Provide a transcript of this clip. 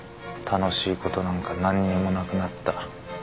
楽しいことなんか何にもなくなった。